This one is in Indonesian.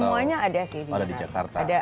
semuanya ada sih kalau di jakarta